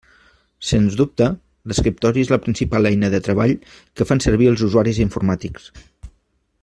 Sens dubte, l'escriptori és la principal eina de treball que fan servir els usuaris informàtics.